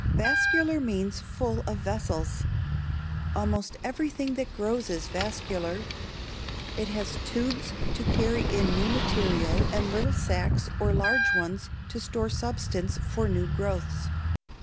Vascular means full of vessels. Almost everything that grows is vascular. It has tubes to carry in new material and little sacs or large ones to store substance for new growths.